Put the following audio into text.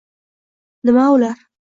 Nima ular?